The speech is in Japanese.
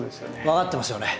分かってますよね。